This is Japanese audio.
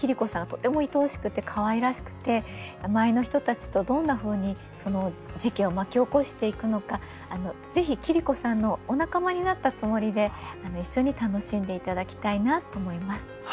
とてもいとおしくてかわいらしくて周りの人たちとどんなふうに事件を巻き起こしていくのかぜひ桐子さんのお仲間になったつもりで一緒に楽しんで頂きたいなと思います。